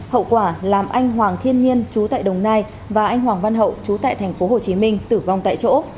hậu quả làm anh hoàng thiên nhiên chú tại đồng nai và anh hoàng văn hậu chú tại thành phố hồ chí minh tử vong tại chỗ